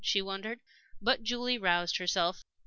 she wondered. But Julie roused herself.